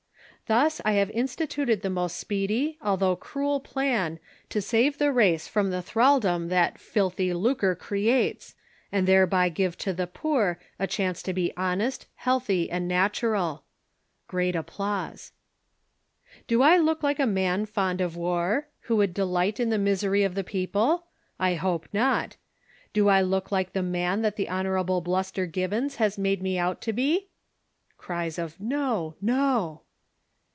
Thus, I have instituted the most speedy, although cruel 358 THE SOCIAL WAR OF 1900; OR, plan to save the race from the thraldom th^t JiU7i,i/ lucre creates, and thereby give to the poor a chance to be honest, healthy and natural. [Great applause.] Do I look like a man fond of war, who would delight in tlie misery of the people V I hope not. Do I look like the man that the Hon. Bluster Gibbons has made me out to be? [Cries of Kol no!"